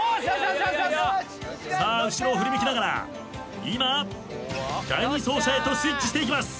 さあ後ろを振り向きながら今第二走者へとスイッチしていきます。